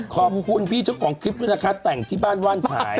ขอบคุณพี่เจ้าของคลิปด้วยนะคะแต่งที่บ้านว่านฉาย